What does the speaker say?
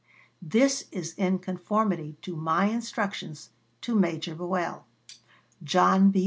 This is in conformity to my instructions to Major Buell. JOHN B.